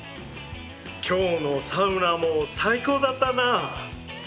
今日のサウナも最高だったな！